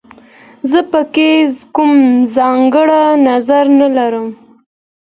زه په کې کوم ځانګړی نظر نه لرم